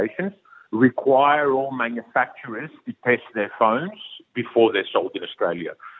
tidak ada yang harus dikhawatirkan oleh orang australia